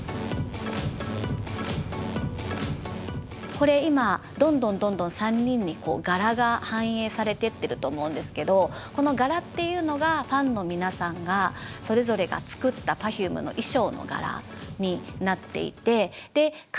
これ今どんどんどんどん３人に柄が反映されてってると思うんですけどこの柄っていうのがファンの皆さんがそれぞれが作ったＰｅｒｆｕｍｅの衣装の柄になっていてカンヌにいる３人が着てくれるっていうことで